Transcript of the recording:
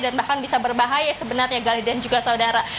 dan bahkan bisa berbahaya sebenarnya gali dan juga saudara